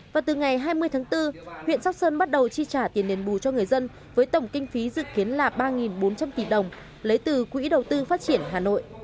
và từ ngày hai mươi tháng bốn huyện sóc sơn bắt đầu chi trả tiền đền bù cho người dân với tổng kinh phí dự kiến là ba bốn trăm linh tỷ đồng lấy từ quỹ đầu tư phát triển hà nội